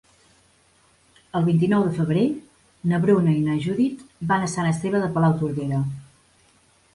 El vint-i-nou de febrer na Bruna i na Judit van a Sant Esteve de Palautordera.